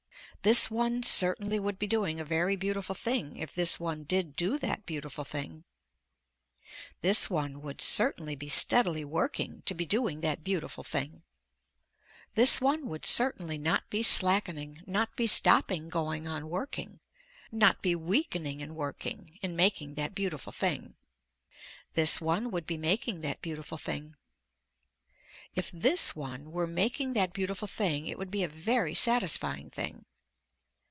This one certainly would be doing a very beautiful thing if this one did do that beautiful thing. This one would certainly be steadily working to be doing that beautiful thing. This one would certainly not be slackening, not be stopping going on working, not be weakening in working, in making that beautiful thing. This one would be making that beautiful thing. If this one were making that beautiful thing it would be a very satisfying thing.